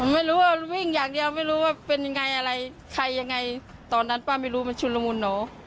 ไม่รู้ว่าวิ่งอย่างเดียวไม่รู้ว่าเป็นยังไงอะไรใครยังไงตอนนั้นป้าไม่รู้มันชุนละมุนเหรอ